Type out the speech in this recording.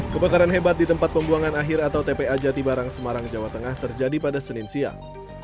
kebakaran hebat di tempat pembuangan akhir atau tpa jati barang semarang jawa tengah terjadi pada senin siang